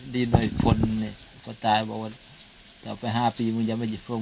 ดีขนพ่อตาอาจบอกว่าต่อไปห้าปีมังจะไปใหญ่ฝง